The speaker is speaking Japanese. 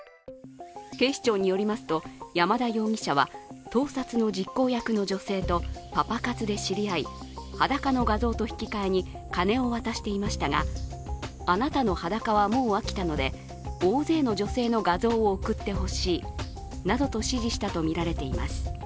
警視庁によりますと、山田容疑者は盗撮の実行役の女性とパパ活で知り合い、裸の画像と引きかえに金を渡していましたが、あなたの裸はもう飽きたので大勢の女性の画像を送ってほしいなどと指示したとみられています。